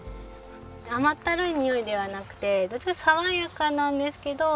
甘ったるいにおいではなくてどっちかっていうと爽やかなんですけど。